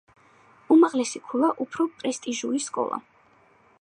უმაღლესი ქულა, უფრო პრესტიჟული სკოლა.